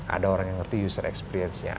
ada orang yang ngerti user experiencenya